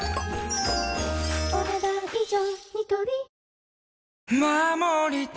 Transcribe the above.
お、ねだん以上。